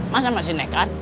masa masih nekat